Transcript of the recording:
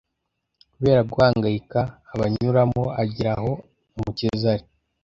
Kubera guhangayika abanyuramo agera aho Umukiza ari.